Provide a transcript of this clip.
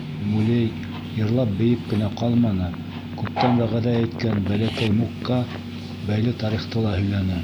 Мулей йырлап-бейеп кенә ҡалманы, күптән вәғәҙә иткән Бәләкәй Мукка бәйле тарихты ла һөйләне.